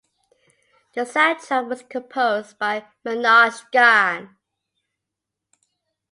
The soundtrack was composed by Manoj Gyan.